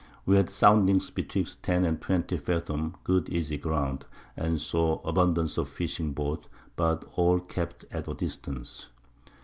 We had Soundings betwixt 10 and 20 Fathom good easy Ground, and saw abundance of Fishing boats, but all kept at a Distance.